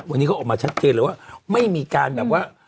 วันนี้เขาออกมาชัดเจนเลยว่าไม่มีการแบบว่า